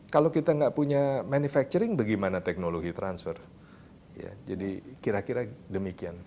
kalau kita nggak punya manufacturing bagaimana teknologi transfer jadi kira kira demikian